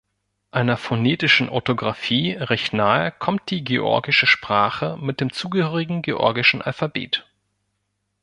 Einer phonetischen Orthografie recht nahe kommt die georgische Sprache mit dem zugehörigen georgischen Alphabet.